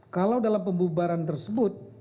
kalau dalam pembubaran tersebut